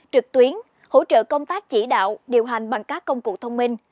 trực tuyến hỗ trợ công tác chỉ đạo điều hành bằng các công cụ thông minh